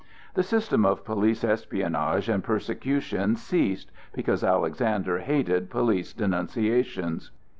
The system of police espionage and persecution ceased, because Alexander hated police denunciations.